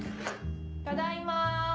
ただいま。